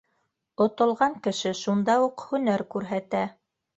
Отолған кеше шунда уҡ һөнәр күрһәтә.